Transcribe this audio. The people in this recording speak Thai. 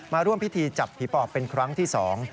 มาร่วมพิธีจับผีปอบเป็นครั้งที่สอง